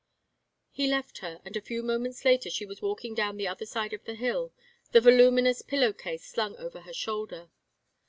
He left her, and a few moments later she was walking down the other side of the hill, the voluminous pillow case slung over her shoulder.